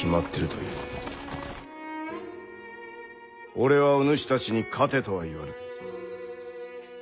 俺はお主たちに勝てとは言わぬ。